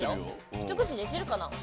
一口でいけるかな？